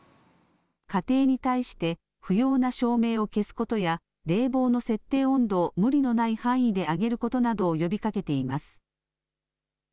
家庭に対して不要な照明を消すことや冷房の設定温度を無理のない範囲で上げることなどを呼びかけています。